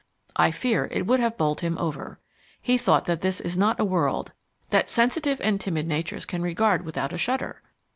I fear it would have bowled him over. He thought that this is not a world "that sensitive and timid natures can regard without a shudder."